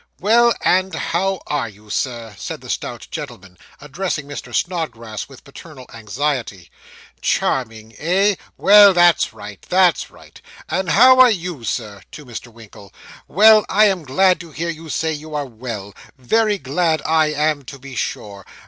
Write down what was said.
'Well, and how are you, sir?' said the stout gentleman, addressing Mr. Snodgrass with paternal anxiety. 'Charming, eh? Well, that's right that's right. And how are you, sir (to Mr. Winkle)? Well, I am glad to hear you say you are well; very glad I am, to be sure.